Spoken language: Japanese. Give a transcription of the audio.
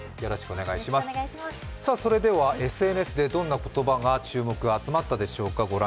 それではＳＮＳでどんな言葉が注目が集まったでしょうか。